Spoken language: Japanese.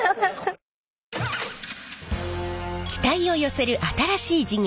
期待を寄せる新しい事業